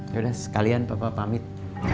yaudah sekalian papa pamit